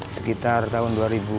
sekitar tahun dua ribu dua belas